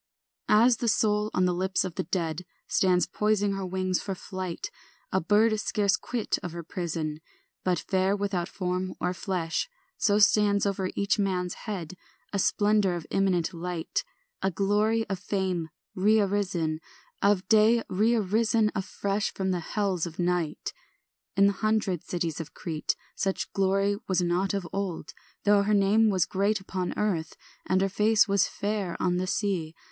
ANT. 3 As the soul on the lips of the dead Stands poising her wings for flight, A bird scarce quit of her prison, But fair without form or flesh, So stands over each man's head A splendour of imminent light, A glory of fame rearisen, Of day rearisen afresh From the hells of night. In the hundred cities of Crete Such glory was not of old, Though her name was great upon earth And her face was fair on the sea.